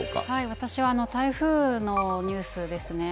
私は台風のニュースですね。